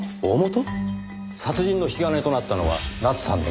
殺人の引き金となったのは奈津さんの自殺です。